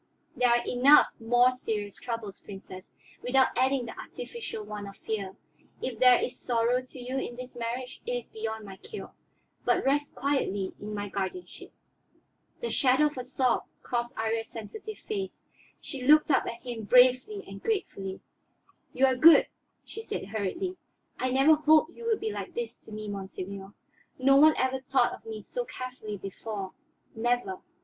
There are enough more serious troubles, Princess, without adding the artificial one of fear. If there is sorrow to you in this marriage, it is beyond my cure; but rest quietly in my guardianship." The shadow of a sob crossed Iría's sensitive face; she looked up at him bravely and gratefully. "You are good," she said hurriedly. "I never hoped you would be like this to me, monseigneur. No one ever thought of me so carefully before, never.